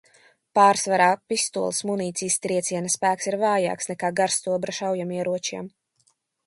Pārsvarā pistoles munīcijas trieciena spēks ir vājāks nekā garstobra šaujamieročiem.